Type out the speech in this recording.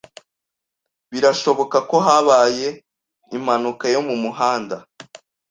Birashoboka ko habaye impanuka yo mumuhanda.